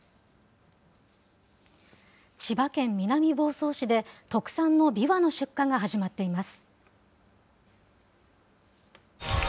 千葉県南房総市で、特産のびわの出荷が始まっています。